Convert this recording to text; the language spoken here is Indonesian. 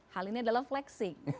hal ini adalah flexing